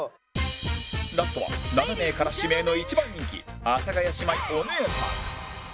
ラストは７名から指名の一番人気阿佐ヶ谷姉妹お姉さん